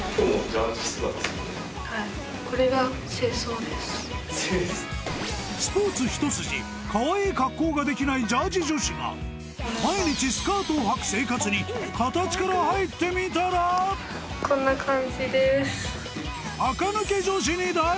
はいスポーツ一筋かわいい格好ができないジャージ女子が毎日スカートをはく生活に形から入ってみたらこんな感じです